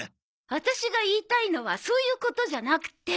ワタシが言いたいのはそういうことじゃなくて。